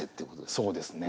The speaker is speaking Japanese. そうですね。